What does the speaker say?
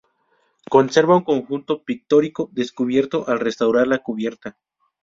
Conserva un conjunto pictórico descubierto al restaurar la cubierta.